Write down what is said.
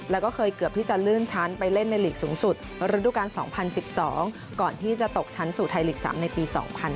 แล้วก็เคยเกือบที่จะลื่นชั้นไปเล่นในหลีกสูงสุดฤดูการ๒๐๑๒ก่อนที่จะตกชั้นสู่ไทยลีก๓ในปี๒๐๑๖